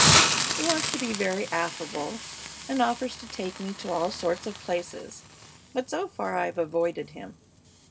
He wants to be very affable, and offers to take me to all sorts of places, but so far I've avoided him.